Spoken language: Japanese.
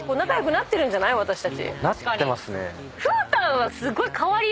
なってますね。